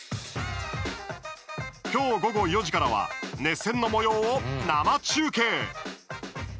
今日、午後４時からは熱戦のもようを生中継。